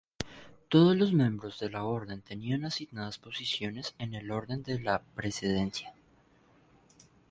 Todos los miembros de la orden tenían asignadas posiciones en el orden de precedencia.